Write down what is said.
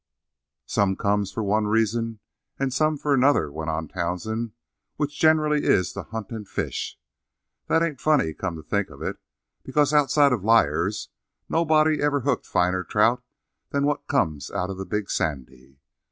"Some comes for one reason and some for another," went on Townsend, "which generally it's to hunt and fish. That ain't funny come to think of it, because outside of liars nobody ever hooked finer trout than what comes out of the Big Sandy.